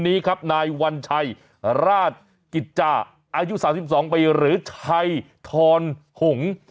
นี่ครับนายวัญชัยราชกิจจ้าอายุสามสิบสองไปหรือชัยทอนหงศ์